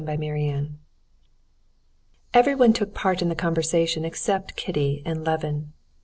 Chapter 11 Everyone took part in the conversation except Kitty and Levin.